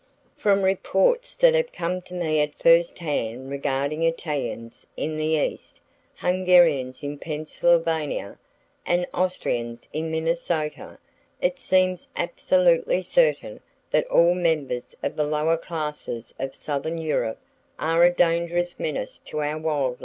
From reports that have come to me at first hand regarding Italians in the East, Hungarians in Pennsylvania and Austrians in Minnesota, it seems absolutely certain that all members of the lower classes of southern Europe are a dangerous menace to our wild life.